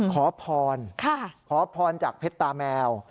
ขอพรขอพรจากเพชรตาแมว